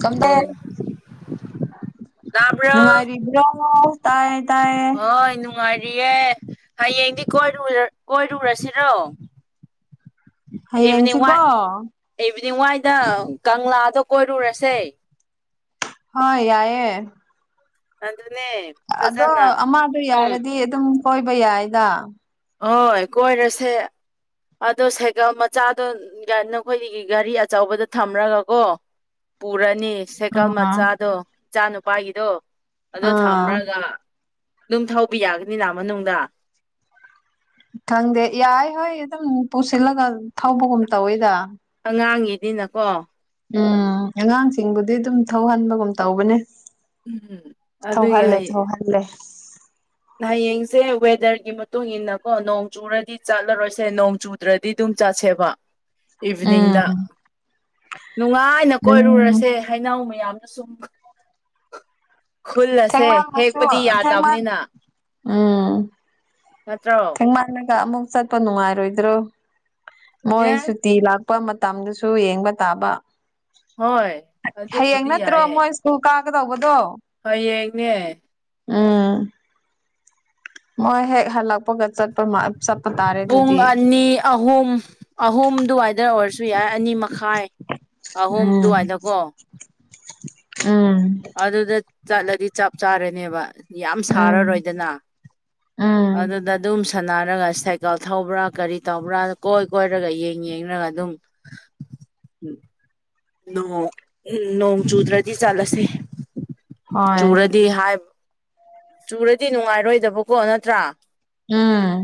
ꯁꯣꯝꯗꯦ ꯑꯣ ꯇꯥꯕ꯭ꯔꯣ ꯅꯨꯡꯉꯥꯏꯔꯤꯔꯤꯕ꯭ꯔꯣ ꯇꯥꯏ ꯍꯅꯨꯡ ꯌꯦꯦ ꯍꯌꯦꯡꯗꯤꯣꯏ ꯀꯣꯏꯔꯨꯔꯁꯤꯔꯣ ꯏꯚꯤꯅꯤꯡ ꯍꯌꯦꯡꯁꯤꯀꯣ ꯋꯥꯏ ꯏꯚꯤꯅꯤꯡ ꯋꯥꯏꯗ ꯀꯪꯂꯥꯗꯣ ꯀꯣꯏꯔꯨꯔꯁꯦ ꯍꯣꯏ ꯌꯥꯏꯌꯦꯦ ꯑꯗꯨ ꯑꯗꯨꯅꯦ ꯑꯗꯣ ꯐꯖꯅ ꯑꯃꯗꯣ ꯎꯝ ꯌꯥꯔꯗꯤ ꯑꯗꯨꯝ ꯀꯣꯏꯕ ꯌꯥꯏꯗ ꯍꯣꯏ ꯀꯣꯏꯔꯁꯦ ꯑꯗꯣ ꯁꯥꯏꯀꯜ ꯃꯆꯥꯗꯣ ꯅꯈꯣꯏ ꯒꯥꯔꯤ ꯑꯆꯧꯕꯗ ꯊꯝꯔꯒꯀꯣ ꯄꯨꯔꯅꯤ ꯑ ꯁꯥꯏꯀꯜ ꯃꯆꯥꯗꯣ ꯏꯆꯥ ꯅꯨꯄꯥꯒꯤꯗꯣ ꯑꯗꯣ ꯑꯥ ꯊꯝꯂꯒ ꯝ ꯊꯥꯎꯤ ꯌꯥꯒꯅꯤꯅ ꯃꯅꯨꯡꯗ ꯈꯪꯗꯦ ꯌꯥꯏ ꯍꯣꯏ ꯑꯗꯨꯝ ꯄꯨꯁꯤꯜꯂꯒ ꯊꯧꯕꯒꯨꯝ ꯇꯧꯋꯤꯗ ꯑꯉꯥꯡꯒꯤꯗꯤꯅꯀꯣ ꯎꯝ ꯑꯉꯥꯡꯁꯤꯡꯕꯨꯗꯤ ꯑꯗꯨꯝ ꯊꯧꯍꯟꯕꯒꯨꯝ ꯇꯧꯕꯅꯦ ꯎꯝ ꯑꯗꯨꯒꯤ ꯊꯧꯍꯜꯂꯦ ꯍꯌꯦ ꯊꯧꯍꯜꯂꯦ ꯍꯌꯦꯡꯁꯦ ꯋꯦꯗꯔꯒꯤ ꯃꯇꯨꯡ ꯏꯟꯅ ꯀꯣ ꯅꯣꯡ ꯆꯨꯔꯗꯤ ꯆꯠꯂꯔꯣꯏꯁꯦ ꯅꯣꯡ ꯆꯨꯗ꯭ꯔꯗꯤ ꯑꯗꯨꯝ ꯆꯠꯁꯦꯕ ꯏꯚꯤꯅꯤꯡꯗ ꯎꯝ ꯅꯨꯡꯉꯥꯏꯅ ꯎꯝ ꯀꯣꯏꯔꯨꯔꯁꯦ ꯈꯩꯅꯥꯎ ꯃꯌꯥꯝꯅ ꯁꯨꯝ ꯈꯨꯜ ꯑꯁꯦ ꯍꯦꯛꯄꯗꯤ ꯌꯥꯗꯕꯅꯤꯅ ꯑꯥ ꯅꯠꯇ꯭ꯔꯣ ꯃꯥꯟꯅꯒ ꯑꯃꯨꯛ ꯆꯠꯄ ꯅꯨꯡꯉꯥꯏꯔꯣꯏꯗ꯭ꯔꯣ ꯃꯣꯏ ꯑꯦ ꯁꯨꯇꯤ ꯂꯥꯛ ꯄꯄ ꯃꯇꯝꯗꯨꯁꯨ ꯌꯦꯡꯕ ꯇꯥꯕ ꯍꯣꯏ ꯑꯗꯨꯕꯨꯗꯤ ꯌꯥꯏꯑꯦ ꯀ ꯀꯥꯒꯦ ꯇꯧꯕꯗꯣ ꯍꯣꯏ ꯌꯦꯡꯅꯦ ꯑꯥ ꯃꯣꯏ ꯍꯦꯛ ꯍꯂꯛꯄꯣꯒꯠ ꯆꯠꯄ ꯃꯥ ꯁꯠꯇ ꯇꯥꯦ ꯄꯨꯡ ꯑꯅꯤ ꯑꯍꯨꯝ ꯑꯍꯨꯝ ꯑꯗꯨꯋꯥꯏꯗ ꯑꯣꯏꯔꯁꯨ ꯌꯥꯏ ꯑꯅꯤ ꯃꯈꯥꯏ ꯑꯍꯨꯝ ꯎꯝ ꯑꯗꯨꯋꯥꯏꯗꯀꯣ ꯎꯝ ꯑꯗꯨꯗ ꯆꯠꯂꯗꯤ ꯆꯞ ꯆꯥꯔꯅꯦꯕ ꯌꯥꯝ ꯎꯝ ꯁꯥꯔꯔꯣꯏꯗꯅ ꯎꯝ ꯑꯗꯨꯗ ꯑꯗꯨꯝ ꯁꯥꯟꯅꯔꯒ ꯁꯥꯏꯀꯜ ꯊꯧꯕ꯭ꯔꯥ ꯀꯔꯤ ꯇꯧꯕ꯭ꯔꯥ ꯀꯣꯏ ꯀꯣꯏꯔꯒ ꯌꯦꯡ ꯌꯦꯡꯔꯒ ꯑꯗꯨꯝ ꯅꯣꯡ ꯆꯨꯗ꯭ꯔꯗꯤ ꯆꯠꯂꯁꯦ ꯍꯣꯏ ꯆꯨꯔꯗꯤ ꯍꯥꯏꯕ ꯆꯨꯔꯗꯤ ꯅꯨꯡꯉꯥꯏꯔꯣꯏꯗꯕꯀꯣ ꯅꯠꯇ꯭ꯔꯥ ꯎꯝ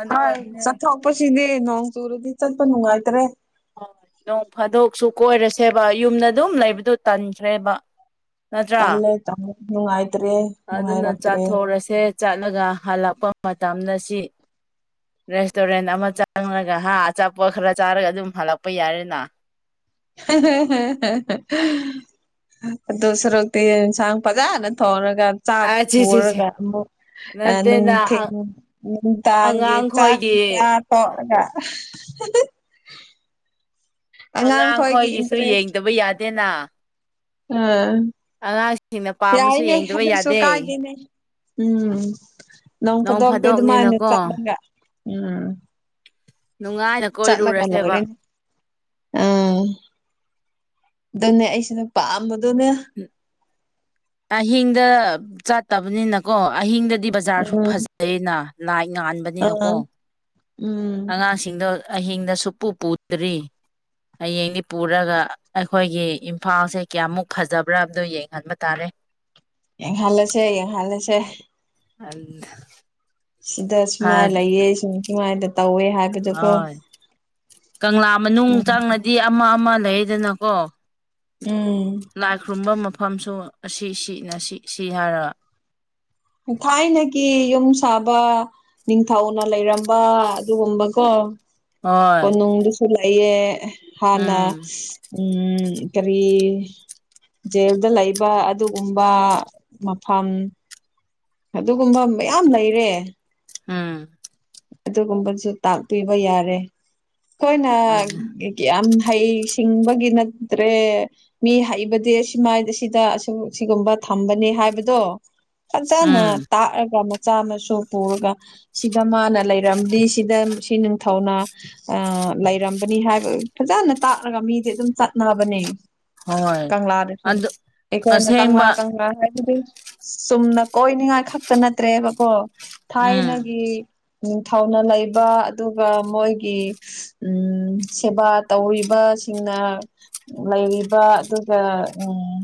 ꯑꯗꯨ ꯍꯣꯏ ꯑꯣꯏꯕꯅꯤ ꯆꯠꯊꯣꯛꯄꯁꯤꯗꯤ ꯅꯣꯡ ꯆꯨꯔꯗꯤ ꯆꯠꯄ ꯅꯨꯡꯉꯥꯏꯇ꯭ꯔꯦ ꯍꯣꯏ ꯅꯣꯡ ꯐꯥꯗꯣꯛꯁꯨ ꯀꯣꯏꯔꯁꯦꯕ ꯌꯨꯝꯗ ꯑꯗꯨꯝ ꯂꯩꯕꯗꯨ ꯇꯟꯈ꯭ꯔꯦꯕ ꯅꯠꯇ꯭ꯔꯥ ꯇꯂꯦ ꯅꯨꯡꯉꯥꯏꯇꯔꯦ ꯑꯗꯨꯅ ꯆꯥꯠꯊꯣꯛꯔꯁꯦ ꯆꯠꯂꯒ ꯍꯜꯂꯛꯄ ꯃꯇꯝꯗ ꯁꯤ ꯔꯦꯁꯇꯨꯔꯦꯟ ꯑꯃ ꯆꯪꯉꯒ ꯍꯥ ꯑꯆꯥꯄꯣꯠ ꯈꯔ ꯆꯥꯔꯒ ꯑꯗꯨꯝ ꯍꯜꯂꯛꯄ ꯌꯥꯔꯦꯅ [unintelligible] ꯑꯗꯨ ꯁꯔꯨꯛꯇꯤ ꯏꯟꯁꯥꯡ ꯐꯖꯅ ꯊꯣꯡꯔꯒ ꯆꯥꯛ ꯑ ꯁꯤ ꯁꯤ ꯁꯤ ꯄꯨꯔꯒ ꯑꯃꯨꯛ ꯑ ꯅꯠꯇꯦꯅ ꯅꯨꯡꯊꯤꯜ ꯅꯨꯡꯗꯥꯡꯒꯤ ꯆꯥꯛ ꯑꯉꯥꯡꯈꯣꯏꯒꯤ ꯆꯥ ꯇꯣꯛꯑꯒ ꯑꯉꯥꯡꯈꯣꯏꯒꯤ ꯑꯉꯥꯡꯈꯣꯏꯒꯤꯁꯨ ꯏꯟꯇꯔꯦꯁ ꯌꯦꯡꯗꯕ ꯌꯥꯗꯦꯅ ꯑꯥ ꯑꯉꯥꯡ ꯌꯥꯏꯅꯦ ꯑꯗꯨꯁꯨ ꯀꯥꯏꯗꯦꯅꯦ ꯎꯝ ꯅꯣꯡ ꯅꯣꯡꯐꯗꯣꯛꯇꯤ ꯑꯗꯨꯃꯥꯏꯅ ꯐꯥꯗꯣꯛꯅꯤꯅꯀꯣ ꯆꯠꯂꯒ ꯎꯝ ꯅꯨꯡꯉꯥꯏꯅ ꯆꯠꯂꯒ ꯀꯣꯏꯔꯨꯔꯁꯦꯕ ꯂꯣꯏꯔꯦ ꯎꯝ ꯑꯗꯨꯅꯦ ꯑꯩꯁꯤꯅ ꯄꯥꯝꯕꯗꯨꯅꯦ ꯑꯍꯤꯡꯗ ꯆꯥꯠꯇꯕꯅꯤꯅꯀꯣ ꯑꯍꯤꯡꯗꯗꯤ ꯕꯖꯥꯔꯁꯨ ꯎꯝ ꯐꯖꯩꯅ ꯂꯥꯏꯠ ꯑꯥ ꯉꯥꯟꯕꯅꯤꯅꯀꯣ ꯎꯝ ꯑꯉꯥꯡꯁꯤꯡꯗꯣ ꯑꯍꯤꯡꯗ ꯁꯨꯡꯄꯨ ꯄꯨꯗ꯭ꯔꯤ ꯍꯌꯦꯡꯗꯤ ꯄꯨꯔꯒ ꯑꯩꯈꯣꯏꯒꯤ ꯏꯝꯐꯥꯜꯁꯦ ꯀꯌꯥꯃꯨꯛ ꯐꯖꯕ꯭ꯔꯥꯗꯣ ꯌꯦꯡꯍꯟꯕ ꯇꯥꯔꯦ ꯌꯦꯡꯍꯜꯂꯁꯦ ꯌꯦꯡꯍꯜꯂꯁꯦ [inaudible] ꯁꯤꯗ ꯁꯨꯃꯥꯏꯅ ꯂꯩꯌꯦ ꯁꯨꯃꯥꯏꯅ ꯇꯧꯋꯦ ꯍꯥꯏ ꯍꯣꯏ ꯀꯪꯂꯥ ꯃꯅꯨꯡ ꯎꯝ ꯆꯪꯉꯗꯤ ꯑꯃ ꯑꯃ ꯂꯩꯌꯦꯗꯅꯀꯣ ꯎꯝ ꯂꯥꯏ ꯈꯨꯔꯨꯝꯕ ꯃꯐꯝꯁꯨ ꯑꯁꯤꯅ ꯁꯤ ꯁꯤ ꯁꯤ ꯍꯥꯏꯔꯒ ꯊꯥꯏꯅꯒꯤ ꯌꯨꯝ ꯁꯥꯕ ꯅꯤꯡꯊꯧꯅ ꯂꯩꯔꯝꯕ ꯑꯗꯨꯒꯨꯝꯕꯀꯣ ꯍꯣꯏ ꯀꯣꯅꯨꯡꯗꯨꯁꯨ ꯂꯩꯌꯦ ꯍꯥꯟꯅ ꯎꯝ ꯎꯝ ꯀꯔꯤ ꯖꯦꯜꯗ ꯂꯩꯕ ꯑꯗꯨꯒꯨꯝꯕ ꯃꯐꯝ ꯑꯗꯨꯒꯨꯝꯕ ꯃꯌꯥꯝ ꯂꯩꯔꯦ ꯑꯝ ꯑꯗꯨꯒꯨꯝꯕꯁꯨ ꯇꯥꯛꯄꯤꯕ ꯌꯥꯔꯦ ꯑꯩꯈꯣꯏꯅ ꯌꯥꯝ ꯍꯩꯁꯤꯡꯕꯒꯤ ꯅꯠꯇ꯭ꯔꯦ ꯃꯤ ꯍꯩꯕꯗꯤ ꯁꯨꯃꯥꯏ ꯁꯤꯗ ꯑ ꯁꯤꯒꯨꯝꯕ ꯊꯝꯕꯅꯦ ꯍꯥꯏꯕꯗꯣ ꯐꯖꯅ ꯎꯝ ꯇꯥꯛꯑꯒ ꯃꯆꯥ ꯃꯁꯨ ꯄꯨꯔꯒ ꯁꯤꯗ ꯃꯥꯅ ꯂꯩꯔꯝꯗꯤ ꯁꯤꯗ ꯁꯤ ꯅꯤꯡꯊꯧꯅ ꯑ ꯂꯩꯔꯝꯕꯅꯤ ꯍꯥꯏꯕ ꯐꯖꯅ ꯇꯥꯛꯂꯒ ꯃꯤꯗꯤ ꯑꯗꯨꯝ ꯆꯠꯅꯕꯅꯦ ꯍꯣꯏ ꯀꯪꯂꯥꯗꯁꯨ ꯑꯗꯨ ꯑꯩꯈꯣꯏꯅ ꯀꯪꯂꯥ ꯑꯁꯦꯡꯕ ꯀꯪꯂꯥ ꯍꯥꯏꯕꯗꯤ ꯆꯨꯝꯅ ꯀꯣꯏꯅꯤꯡꯉꯥꯏ ꯈꯛꯇ ꯅꯠꯇ꯭ꯔꯦꯕꯀꯣ ꯎꯝ ꯊꯥꯏꯅꯒꯤ ꯅꯤꯡꯊꯧꯅ ꯂꯩꯕ ꯑꯗꯨꯒ ꯃꯣꯏꯒꯤ ꯎꯝ ꯁꯦꯕꯥ ꯇꯧꯋꯤꯕꯁꯤꯡꯅ ꯂꯩꯔꯤꯕ ꯑꯗꯨꯒ ꯎꯝ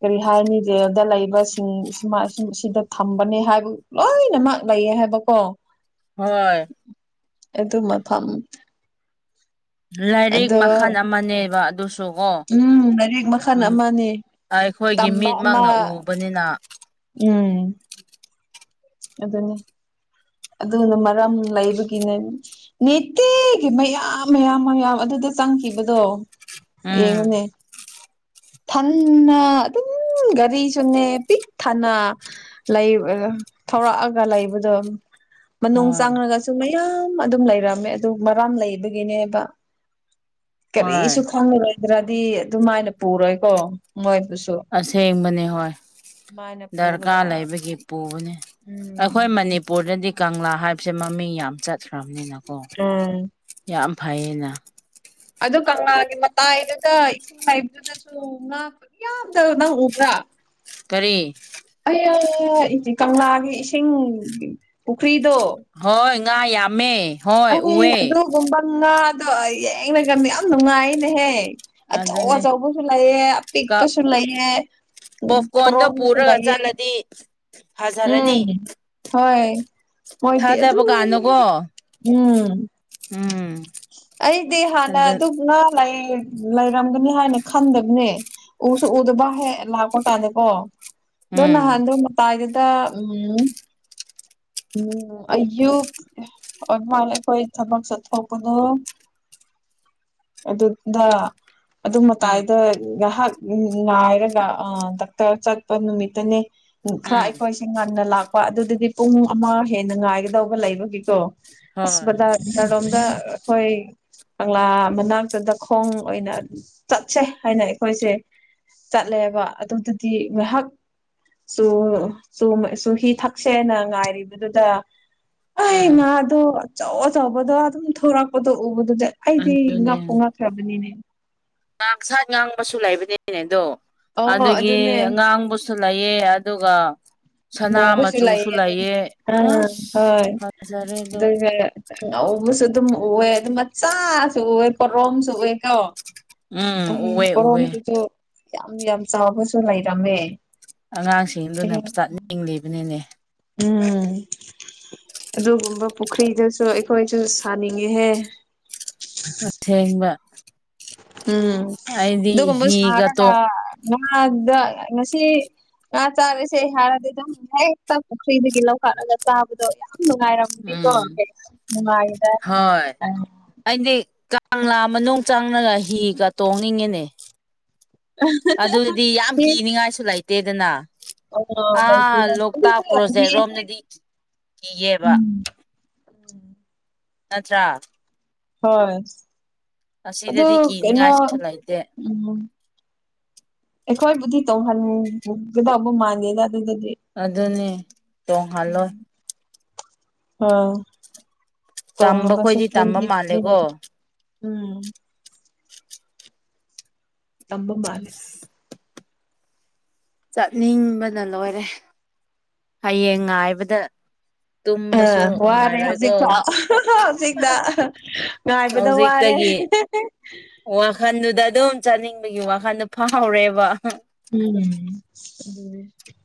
ꯀꯔꯤ ꯍꯥꯏꯅꯤ ꯔꯦꯜꯗ ꯂꯩꯕꯁꯤꯡ ꯁꯨꯃꯥꯏ ꯁꯤ ꯁꯤꯗ ꯊꯝꯕꯅꯦ ꯍꯥꯏꯕ ꯂꯣꯏꯅꯃꯛ ꯂꯩꯌꯦ ꯍꯥꯏꯕꯀꯣ ꯍꯣꯏ ꯑꯗꯨ ꯃꯐꯝ ꯂꯥꯏꯔꯤꯛ ꯑꯗꯣ ꯃꯈꯜ ꯑꯃꯅꯦꯕ ꯑꯗꯨ ꯁꯨꯀꯣ ꯎꯝ ꯂꯥꯏꯔꯤꯛ ꯃꯈꯜ ꯑꯃꯅꯤ ꯑꯩꯈꯣꯏꯒꯤ ꯇꯝꯕ ꯑꯃ ꯃꯤꯠꯃꯛꯅ ꯎꯕꯅꯤꯅ ꯎꯝ ꯑꯗꯨꯅꯤ ꯑꯗꯨꯅ ꯃꯔꯝ ꯂꯩꯕꯒꯤꯅꯦ ꯅꯨꯇꯤꯒꯤ ꯃꯌꯥꯝ ꯃꯌꯥꯝ ꯃꯌꯥꯝ ꯑꯗꯨꯗ ꯆꯪꯈꯤꯕꯗꯣ ꯎꯝ ꯌꯦꯡꯉꯨꯅꯦ ꯊꯥꯟꯅ ꯑꯗꯨꯝ ꯒꯔꯤꯁꯨꯨꯅꯦ ꯄꯤꯛ ꯊꯥꯟꯅ ꯂꯩ ꯊꯧꯔꯛꯑꯒ ꯂꯩꯕꯗꯣ ꯃꯅꯨꯡ ꯍꯣꯏ ꯆꯥꯡꯉꯒꯁꯨ ꯃꯌꯥꯝ ꯑꯗꯨꯝ ꯂꯩꯔꯝꯃꯦ ꯑꯗꯨ ꯃꯔꯥꯝ ꯂꯩꯕꯒꯤꯅꯦꯕ ꯍꯣꯏ ꯀꯔꯤꯁꯨ ꯈꯪꯂꯉꯔꯣꯏꯗ꯭ꯔꯗꯤ ꯑꯗꯨꯃꯥꯏꯅ ꯄꯨꯔꯣꯏꯀꯣ ꯃꯣꯏꯗꯨꯁꯨ ꯑꯁꯦꯡꯕꯅꯤ ꯍꯣꯏ ꯄꯨꯔꯒ ꯗꯔꯀꯥꯔ ꯂꯩꯕꯒꯤ ꯄꯨꯕꯅꯤ ꯎꯝ ꯑꯩꯈꯣꯏ ꯃꯅꯤꯄꯨꯔꯗꯗꯤ ꯀꯪꯂꯥ ꯍꯥꯏꯕꯁꯦ ꯃꯃꯤꯡ ꯌꯥꯝ ꯆꯠꯈ꯭ꯔꯕꯅꯤꯅ ꯑꯣ ꯎꯝ ꯌꯥꯝ ꯐꯩꯌꯦꯅ ꯑꯗꯨ ꯀꯪꯂꯥꯒꯤ ꯃꯇꯥꯏꯗꯒ ꯏꯁꯤꯡ ꯂꯩꯥꯏꯕꯗꯨꯗꯁꯨ ꯉꯥ ꯌꯥꯝꯗꯅ ꯎꯕ꯭ꯔꯥ ꯀꯔꯤ ꯑꯩ ꯀꯪꯂꯥꯒꯤ ꯏꯁꯤꯡ ꯄꯨꯈ꯭ꯔꯤꯗꯣ ꯍꯣꯏ ꯉꯥ ꯌꯥꯝꯃꯦ ꯍꯣꯏ ꯑꯩ ꯎꯑꯦ ꯑꯗꯨꯒꯨꯝꯕ ꯉꯥꯗꯣ ꯌꯦꯡꯅꯒ ꯌꯥꯝ ꯅꯨꯡꯉꯥꯏꯅꯦꯍꯦ ꯑꯆꯧ ꯑꯗꯨꯅꯦ ꯑꯆꯧꯕꯁꯨ ꯂꯩꯑꯦ ꯀ ꯑꯄꯤꯛꯄꯁꯨ ꯂꯩꯑꯦ ꯄꯣꯞꯀꯣꯔꯟꯗꯣ ꯄꯨꯔꯒ ꯆꯠꯂꯗꯤ ꯎꯝ ꯐꯖꯔꯅꯤ ꯍꯣꯏ ꯃꯣꯏꯗꯤ ꯊꯥꯖꯕ ꯑꯗꯨꯝ ꯀꯥꯅꯨꯀꯣ ꯎꯝ ꯎꯝ ꯑꯩꯗꯤ ꯍꯥꯟꯅ ꯑꯗ ꯑꯗꯨꯅ ꯂꯩꯔꯝꯒꯅꯤ ꯍꯥꯏꯅ ꯈꯟꯗꯕꯅꯦ ꯎꯁꯨ ꯎꯗꯕ ꯍꯦꯛ ꯂꯥꯛꯄ ꯇꯥꯅꯤꯀꯣ ꯑꯗꯣ ꯎꯝ ꯅꯍꯥꯟꯗꯣ ꯇꯥꯏꯗꯦꯗ ꯎꯝ ꯎꯝ ꯑꯌꯨꯛ ꯑꯗꯨꯃꯅ ꯑꯩꯈꯣꯏ ꯊꯕꯛ ꯆꯠꯊꯣꯛꯄꯗꯣ ꯑꯗꯨꯗ ꯑꯗꯨ ꯎꯝ ꯃꯇꯥꯏꯗ ꯉꯥꯏꯍꯥꯛ ꯎ ꯉꯥꯏꯔꯒ ꯑ ꯗꯥꯛꯇꯔ ꯆꯠꯄ ꯅꯨꯃꯤꯠꯇꯅꯦ ꯈꯔ ꯎꯝ ꯑꯩꯈꯣꯏ ꯉꯟꯅ ꯂꯥꯛꯄ ꯑꯗꯨꯗꯗꯤ ꯄꯨꯡ ꯑꯃ ꯍꯦꯟꯅ ꯉꯥꯏꯒꯗꯧꯕ ꯂꯩꯕꯒꯤꯀꯣ ꯍꯣꯏ ꯑꯁꯕꯗ ꯔꯣꯝꯗ ꯑꯩꯈꯣꯏ ꯀꯪꯂꯥ ꯃꯅꯥꯛꯇꯗ ꯈꯣꯡ ꯑꯣꯏꯅ ꯆꯠꯁꯦ ꯍꯥꯏꯅ ꯑꯩꯈꯣꯏꯁꯦ ꯆꯠꯂꯦꯕ ꯑꯗꯨꯗꯨꯗꯤ ꯉꯥꯏꯍꯥꯛ ꯁꯨ ꯆ ꯁꯨ ꯍꯤ ꯊꯛꯁꯦꯅ ꯉꯥꯏꯔꯤꯕꯗꯨꯗ ꯑꯩ ꯎꯝ ꯉꯥꯗꯣ ꯑꯆꯧ ꯑꯆꯧꯕꯗꯣ ꯑꯗꯨꯝ ꯊꯣꯔꯛꯄꯗꯣ ꯎꯕꯗꯨꯗꯤ ꯑꯩꯗꯤ ꯂꯕꯅꯤꯅꯦ ꯉ ꯁꯥꯏꯠ ꯉꯥꯡꯕꯁꯨ ꯂꯩꯕꯅꯤꯅꯦꯗꯣ ꯑꯣ ꯑꯗꯨꯗꯒꯤ ꯑꯗꯨꯅꯦ ꯉꯥꯡꯕꯁꯨ ꯁꯨ ꯂꯩꯑ ꯑꯗꯨꯒ ꯃꯣ ꯁꯅꯥ ꯄꯨꯁꯨ ꯃꯆꯨꯁꯨ ꯂꯥꯏꯌꯦ ꯂꯩꯑ ꯑꯥ ꯑꯁ ꯍꯣꯏ ꯐꯖꯔꯦ ꯑꯗꯣ ꯑꯗꯨꯒ ꯉꯧꯕꯁꯨ ꯑꯗꯨꯝ ꯎꯑꯦ ꯑꯗꯨ ꯃꯆꯥꯁꯨ ꯎꯑꯦ ꯄꯣꯔꯣꯝꯁꯨ ꯎꯑꯦ ꯀꯣ ꯎꯝ ꯑꯩ ꯎꯑꯦ ꯎꯑꯦ ꯄꯣꯔꯣꯝꯗꯨꯁꯨ ꯌꯥꯝ ꯌꯥꯝ ꯆꯥꯕꯁꯨ ꯂꯩꯔꯝꯃꯦ ꯑꯉꯥꯡꯁꯤꯡꯗꯨꯅ ꯑꯩ ꯆꯠꯅꯤꯡꯂꯤꯕꯅꯤꯅꯦ ꯎꯝ ꯑꯗꯨꯒꯨꯝꯕ ꯄꯨꯈ꯭ꯔꯤꯗꯁꯨ ꯑꯩꯈꯣꯏꯁꯨ ꯁꯥꯅꯤꯡꯉꯦꯍꯦ ꯁꯦꯡꯕ ꯎꯝ ꯑꯗꯨꯒꯨꯝꯕ ꯁꯥꯔꯒ ꯍꯤꯒꯇꯣ ꯃꯥꯗ ꯉꯁꯤ ꯉꯥ ꯆꯥꯔꯤꯁꯦ ꯍꯥꯏꯔꯗꯤ ꯑꯗꯨꯝ ꯍꯦꯛꯇ ꯄꯨꯈ꯭ꯔꯤꯗꯒꯤ ꯂꯧꯈꯠꯂꯒ ꯆꯥꯕꯗꯣ ꯌꯥꯝ ꯅꯨꯡꯉꯥꯏꯔꯝꯃꯅꯤꯀꯣ ꯎꯝ ꯅꯨꯡꯉꯥꯏꯗ ꯍꯣꯏ ꯑ ꯑꯩꯗꯤ ꯀꯪꯂꯥ ꯃꯅꯨꯡ ꯆꯪꯅꯒ ꯍꯤꯒ ꯇꯣꯡꯅꯤꯡꯉꯤꯅꯦ ꯑꯗꯨꯗꯤ ꯌꯥꯝ ꯀꯤꯅꯤꯉꯥꯏꯁꯨ ꯂꯩꯇꯦꯗꯅ ꯑ ꯑꯥ ꯂꯩꯇꯦꯗ ꯑꯗꯨꯗꯤ ꯂꯣꯛꯇꯥꯛ ꯄ꯭ꯔꯣꯖꯦꯛ ꯍꯌꯦꯡꯗꯤ ꯔꯣꯝꯗꯗꯤ ꯀꯤꯌꯦꯦꯕ ꯎꯝ ꯅꯠꯇ꯭ꯔ ꯍꯣꯏ ꯑꯗꯨ ꯑꯁꯤꯗꯗꯤ ꯀꯩꯅꯣ ꯀꯤꯅꯤꯡꯉꯥꯏꯁꯨ ꯂꯩꯇꯦ ꯎꯝ ꯑꯩꯈꯣꯏꯕꯨꯗꯤ ꯇꯧꯍꯟꯒꯗꯧꯕ ꯃꯥꯟꯗꯦꯗ ꯑꯗꯨꯗꯗꯤ ꯑꯗꯨꯅꯦ ꯇꯣꯡꯍꯜꯂꯣꯏ ꯑꯥ ꯇꯝꯕ ꯈꯣꯏꯗꯤ ꯇꯝꯕ ꯃꯥꯜꯂꯦꯀꯣ [unintelligible] [unintelligible] ꯇꯝꯕ ꯃꯥꯂꯦ ꯆꯠꯅꯤꯡꯕꯅ ꯂꯣꯏꯔꯦ ꯍꯌꯦꯡ ꯉꯥꯏꯕꯗ ꯇꯨꯝꯕꯁꯨ ꯑ ꯋꯥꯔꯦ ꯅꯨꯡꯉꯥꯏꯔꯣꯏꯀꯣ ꯍꯧꯖꯤꯛꯐꯥꯎ ꯍꯧꯖꯤꯛꯇ ꯉꯥꯏꯕꯗ ꯋꯥꯔꯦ ꯍꯧꯖꯤꯛꯇꯒꯤ ꯋꯥꯈꯟꯗꯨꯗ ꯑꯗꯨꯝ ꯆꯠꯅꯤꯡꯕꯒꯤ ꯋꯥꯈꯟꯗ ꯐꯥꯎꯔꯦꯕ [unintelligible]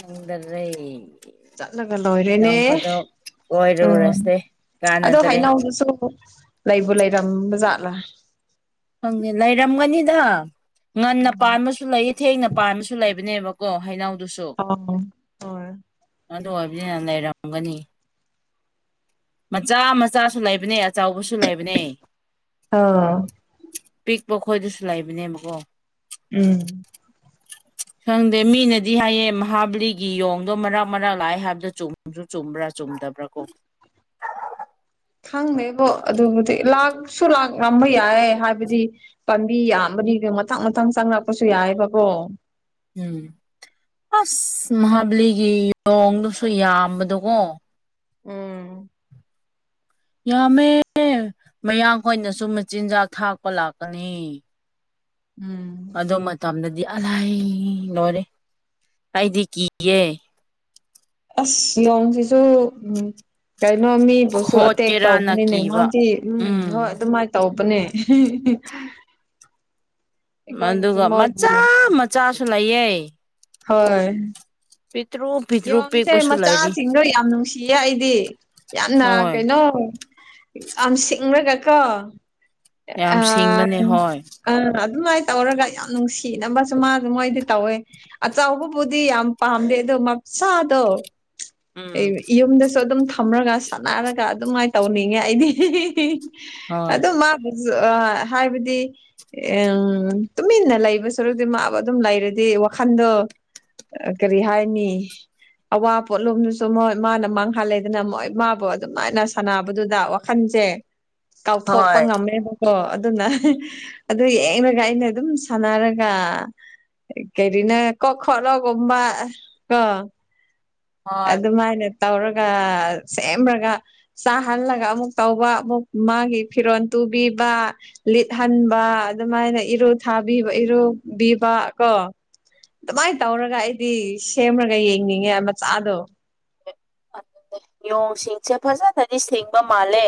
ꯈꯪꯗꯔꯦ ꯆꯠꯂꯒ ꯂꯣꯏꯔꯦꯅꯦ ꯅꯣꯡ ꯐꯥꯗꯣꯛ ꯎꯝ ꯀꯣꯏꯔꯨꯔꯁꯦ ꯑꯗꯣ ꯀꯥꯟꯅꯗ꯭ꯔꯦ ꯍꯩꯅꯧꯗꯨꯁꯨ ꯂꯩꯕꯨ ꯂꯩꯔꯝꯕꯖꯥꯠꯂꯥ ꯍꯪꯉꯦ ꯂꯩꯔꯝꯒꯅꯤꯗ ꯉꯟꯅ ꯄꯥꯟꯕꯁꯨ ꯨ ꯂꯩꯌꯦ ꯊꯦꯡꯅ ꯄꯥꯟꯕꯁꯨ ꯂꯩꯕꯅꯦꯕꯀꯣ ꯍꯩꯅꯧꯗꯨꯁꯨ [unintelligible] ꯑꯗꯨ ꯑꯣꯏꯕꯅꯤꯅ ꯂꯩꯔꯝꯒꯅꯤ ꯃꯆꯥ ꯃꯆꯥꯁꯨ ꯂꯩꯕꯅꯦ ꯑꯆꯧꯕꯁꯨ ꯂꯩꯕꯅꯦ ꯑ ꯄꯤꯛꯄ ꯈꯣꯏꯗꯨꯁꯨ ꯂꯩꯕꯅꯦꯕꯀꯣ ꯎꯝ ꯈꯪꯗꯦ ꯃꯤꯅꯗꯤ ꯍꯥꯏꯌꯦ ꯃꯍꯥꯕꯂꯤꯒꯤ ꯌꯣꯡꯗꯣ ꯃꯔꯥꯛ ꯃꯔꯥꯛ ꯂꯥꯛꯑꯦ ꯍꯥꯏꯕꯗ ꯆꯨꯝ ꯑꯗꯨ ꯆꯨꯝꯕ꯭ꯔꯥ ꯆꯨꯝꯗꯕ꯭ꯔꯥ ꯀꯣ ꯈꯪꯗꯦꯕꯣ ꯑꯗꯨꯕꯨꯗꯤ ꯂꯥꯛꯁꯨ ꯂꯥꯛꯉꯝꯕ ꯌꯥꯏꯌꯦ ꯍꯥꯏꯕꯗꯤ ꯄꯥꯝꯕꯤ ꯌꯥꯝꯕꯗꯤ ꯃꯊꯪ ꯃꯊꯪ ꯆꯪꯪꯔꯛꯄꯁꯨ ꯌꯥꯏꯑꯕꯀꯣ ꯎꯝ ꯑꯁ ꯃꯍꯥꯕꯂꯤꯒꯤ ꯂꯣꯡꯗꯨꯁꯨ ꯌꯥꯝꯕꯗꯣꯀꯣ ꯎꯝ ꯌꯥꯝꯃꯦ ꯃꯌꯥꯡꯈꯣꯏꯅꯁꯨ ꯃꯆꯤꯟꯖꯥꯛ ꯊꯥꯛꯄ ꯂꯥꯛꯀꯅꯤ ꯎꯝ ꯑꯗꯨ ꯃꯇꯝꯗꯗꯤ ꯑꯂꯥꯏ ꯂꯣꯏꯔꯦ ꯑꯩꯗꯤ ꯀꯤꯌꯦ ꯑꯁ ꯌꯣꯡꯁꯤꯁꯨ ꯎꯝ ꯀꯩꯅꯣ ꯃꯤꯕꯨꯁꯨ ꯑꯇꯦꯛ ꯈꯣꯠꯀꯦꯔꯥꯅ ꯇꯧꯕꯅꯤꯅꯦ ꯀꯤꯕ ꯃꯥꯗꯤ ꯎꯝ ꯍꯣꯏ ꯑꯗꯨꯃꯥꯏ ꯇꯧꯄꯅꯦ ꯑꯗꯨꯒ ꯃꯣꯏꯕꯨ ꯃꯆꯥ ꯃꯆꯥꯁꯨ ꯂꯩꯌꯦ ꯍꯣꯏ ꯄꯤꯇ꯭ꯔꯨ ꯌꯣꯡꯁꯦ ꯃꯆꯥꯁꯤꯡꯗꯣ ꯌꯥꯝ ꯅꯨꯡꯁꯤꯌꯦ ꯑꯩꯗꯤ ꯌꯥꯝꯅ ꯍꯣꯏ ꯀꯩꯅꯣ ꯌꯥꯝ ꯁꯤꯡꯂꯒ ꯀꯣ ꯌꯥꯝ ꯑ ꯁꯤꯡꯕꯅꯦ ꯍꯣꯏ ꯑꯥ ꯑꯗꯨꯃꯥꯏꯅ ꯇꯧꯔꯒ ꯌꯥꯝ ꯅꯨꯡꯁꯤꯅꯕꯁꯨ ꯃꯥꯁꯨ ꯃꯣꯏꯗꯤ ꯇꯧꯋꯦ ꯑꯆꯧꯕꯕꯨꯗꯤ ꯌꯥꯝ ꯄꯥꯝꯗꯦ ꯑ ꯑꯗꯣ ꯃ ꯁꯥꯗꯣ ꯎꯝ ꯑꯩ ꯌꯨꯝꯗꯁꯨ ꯑꯗꯨꯝ ꯊꯝꯂꯒ ꯁꯥꯟꯅꯔꯒ ꯑꯗꯨꯃꯥꯏꯅ ꯇꯧꯅꯤꯡꯉꯦ ꯑꯩꯗꯤ ꯍꯣꯏ ꯑꯗꯨ ꯃꯥ ꯑ ꯍꯥꯏꯕꯗꯤ ꯎꯝ ꯇꯨꯃꯤꯟꯅ ꯂꯩꯕ ꯁꯔꯨꯛꯗꯤ ꯃꯥꯕꯨ ꯑꯗꯨꯝ ꯂꯩꯔꯗꯤ ꯋꯥꯈꯟꯗꯣ ꯀꯔꯤ ꯍꯥꯏꯅꯤ [inaudible] ꯑꯋꯥ ꯄꯣꯠꯂꯣꯝꯗꯨꯁꯨ ꯃꯣꯏ ꯃꯥꯅ ꯃꯥꯡꯍꯜꯂꯦꯗꯅ ꯃꯣꯏ ꯃꯥꯕꯨ ꯑꯗꯨꯃꯥꯏꯅ ꯁꯥꯟꯅꯕꯗꯨꯗ ꯋꯥꯈꯟꯁꯦ ꯀꯥꯎꯊꯣꯛꯄ ꯍꯣꯏ ꯉꯝꯃꯦꯕ ꯑꯣ ꯑꯗꯨꯅ ꯑꯗꯨ ꯌꯦꯡꯔꯒ ꯑꯩꯅ ꯑꯗꯨꯝ ꯁꯥꯟꯅꯔꯒ ꯀꯩꯔꯤꯅꯦ ꯀꯣꯛ ꯈꯣꯠꯂꯣꯒꯨꯝꯕꯀꯣ ꯍꯣꯏ ꯑꯗꯨꯃꯥꯏꯅ ꯇꯧꯔꯒ ꯁꯦꯝꯔꯒ ꯆꯥꯍꯜꯂꯒ ꯑꯃꯨꯛ ꯇꯧꯕ ꯑꯃꯨꯛ ꯃꯥꯒꯤ ꯐꯤꯔꯣꯜ ꯇꯨꯕꯤꯕ ꯂꯤꯠꯍꯟꯕ ꯑꯗꯨꯃꯥꯏꯅ ꯏꯔꯨ ꯊꯥꯕꯤꯕ ꯏꯔꯨꯕꯤꯕꯀꯣ ꯑꯗꯨꯃꯥꯏꯅ ꯇꯧꯔꯒ ꯑꯩꯗꯤ ꯁꯦꯝꯔꯒ ꯌꯦꯡꯅꯤꯡꯉꯦ ꯃꯆꯥꯗꯣ ꯑꯗꯨꯗ ꯌꯣꯡꯁꯤꯡꯁꯦ ꯐꯖꯅꯗꯤ ꯁꯤꯡꯕ ꯃꯥꯜꯂꯦ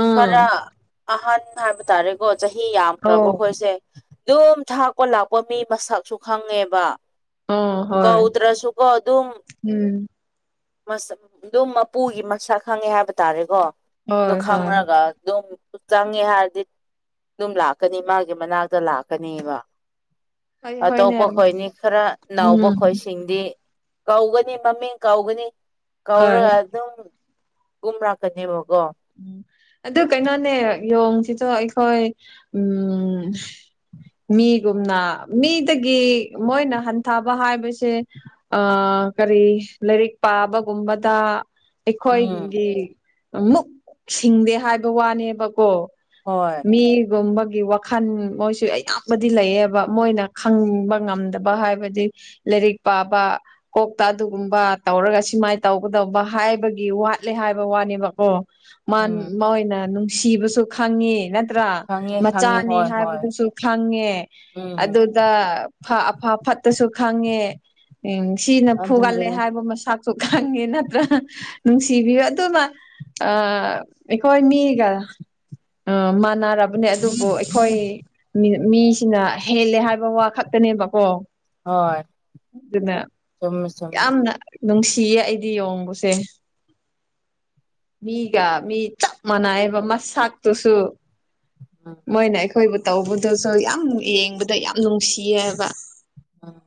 ꯑꯧ ꯈꯔ ꯑꯍꯟ ꯍꯥꯏꯕ ꯇꯥꯔꯦꯀꯣ ꯆꯍꯤ ꯑꯣ ꯌꯥꯝꯈ꯭ꯔꯕꯈꯣꯏꯁꯦ ꯑꯗꯨꯝ ꯊꯥꯛꯄ ꯂꯥꯛꯄ ꯃꯤ ꯃꯁꯛꯁꯨ ꯈꯪꯉꯦꯕ ꯑꯣ ꯍꯣꯏ ꯀꯧꯗ꯭ꯔꯁꯨꯀꯣ ꯎꯝ ꯃꯁꯛ ꯑꯗꯨꯝ ꯃꯄꯨꯒꯤ ꯃꯁꯛ ꯈꯪꯉꯦ ꯍꯥꯏꯕ ꯇꯥꯔꯦꯀꯣ ꯑꯗꯨ ꯍꯣꯏ ꯍꯣꯏ ꯈꯪꯉꯒ ꯑꯗꯨꯝ ꯆꯪꯉꯦ ꯍꯥꯏꯔꯗꯤ ꯑꯗꯨꯝ ꯂꯥꯛꯀꯅꯤ ꯃꯥꯒꯤ ꯃꯅꯥꯛꯇ ꯂꯥꯛꯀꯅꯦꯕ ꯍꯣꯏ ꯍꯣꯏꯅꯦ ꯑꯇꯣꯞꯄ ꯈꯣꯏꯅꯤ ꯈꯔ ꯅꯥꯎꯕ ꯎꯝ ꯈꯣꯏꯁꯤꯡꯗꯤ ꯀꯧꯒꯅꯤ ꯃꯃꯤꯡ ꯀꯧꯒꯅꯤ ꯍꯣꯏ ꯀꯧꯔꯒ ꯑꯗꯨꯝ ꯀꯨꯝꯔꯛꯀꯅꯦꯕꯀꯣ ꯎꯝ ꯑꯗꯨ ꯀꯩꯅꯣꯅꯦ ꯌꯣꯡꯁꯤꯁꯨ ꯑꯩꯈꯣꯏ ꯎꯝ ꯃꯤꯒꯨꯝꯅ ꯃꯤꯗꯒꯤ ꯃꯣꯏꯅ ꯍꯟꯊꯕ ꯍꯥꯏꯕꯁꯦ ꯑ ꯀꯔꯤ ꯂꯥꯏꯔꯤꯛ ꯄꯥꯕꯒꯨꯝꯕꯗ ꯎꯝ ꯑꯩꯈꯣꯏꯒꯤ ꯃꯨꯛ ꯁꯤꯡꯗꯦ ꯍꯥꯏꯕ ꯋꯥꯅꯦꯕꯀꯣ ꯍꯣꯏ ꯃꯤꯒꯨꯝꯕꯒꯤ ꯋꯥꯈꯜ ꯃꯣꯏꯁꯨ ꯑꯌꯥꯝꯕꯗꯤ ꯂꯩꯌꯦꯕ ꯃꯣꯏꯅ ꯈꯪꯕ ꯉꯝꯗꯕ ꯕ ꯍꯥꯏꯕꯗꯤ ꯂꯥꯏꯔꯤꯛ ꯄꯥꯕ ꯀꯣꯛꯇ ꯑꯗꯨꯒꯨꯝꯕ ꯇꯧꯔꯒ ꯁꯨꯃꯥꯏꯅ ꯇꯧꯒꯗꯧꯕ ꯍꯥꯏꯕꯒꯤ ꯋꯥꯠꯂꯦ ꯍꯥꯏꯕ ꯋꯥꯅꯦꯕꯀꯣ ꯎꯝ ꯃꯣꯏꯅ ꯅꯨꯡꯁꯤꯕꯁꯨ ꯈꯪꯉꯤ ꯅꯠꯇ꯭ꯔ ꯈꯪꯉꯦ ꯈꯪꯉꯦ ꯃꯆꯥꯅꯤ ꯍꯣꯏ ꯍꯣꯏ ꯍꯥꯏꯕꯗꯨꯁꯨ ꯈꯪꯉꯦ ꯎꯝ ꯑꯗꯨ ꯗ ꯐꯥ ꯑꯐ ꯐꯠꯇꯁꯨ ꯈꯪꯉꯦ ꯎꯝ ꯁꯤꯅ ꯐꯨꯒꯠꯂꯦ ꯑꯗꯨꯗꯨꯅꯦ ꯍꯥꯏꯕ ꯃꯁꯛ ꯁꯨ ꯈꯪꯉꯦ ꯅꯠꯇ꯭ꯔꯥ ꯅꯨꯡꯁꯤꯕꯤꯌꯨ ꯑꯗꯨꯃ ꯑꯥ ꯑꯩꯈꯣꯏ ꯃꯤꯒ ꯑ ꯃꯥꯟꯅꯔꯕꯅꯦ ꯑꯗꯨꯕꯨ ꯑꯩꯈꯣꯏ ꯃꯤ ꯃꯤꯁꯤꯅ ꯍꯦꯜꯂꯦ ꯍꯥꯏꯕ ꯋꯥ ꯈꯛꯇꯅꯦꯕꯀꯣ ꯍꯣꯏ ꯑꯗꯨꯅ ꯆꯨꯝꯃꯦ ꯆꯨꯝꯃꯦ ꯌꯥꯝꯅ ꯅꯨꯡꯁꯤꯌꯦ ꯑꯩꯗꯤ ꯌꯣꯡꯕꯨꯁꯦ ꯃꯤꯒ ꯃꯤ ꯆꯞ ꯃꯥꯟꯅꯑꯕ ꯃꯁꯥꯛꯇꯨꯁꯨ ꯎꯝ ꯃꯣꯏꯅ ꯑꯩꯈꯣꯏꯕꯨ ꯇꯧꯕꯗꯁꯨ ꯌꯥꯝ ꯌꯦꯡꯕꯗ ꯌꯥꯝ ꯅꯨꯡꯁꯤꯌꯦꯕ ꯑ